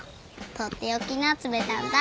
とっておきの集めたんだ。